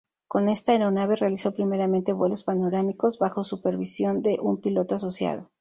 Con esta aeronave realizó primeramente vuelos panorámicos bajo supervisión de un piloto asociado.